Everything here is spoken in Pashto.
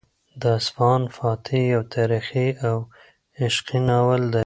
د اصفهان فاتح یو تاریخي او عشقي ناول دی.